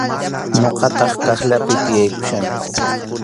Ñuqataq kaqllapi tiyaykuchkani.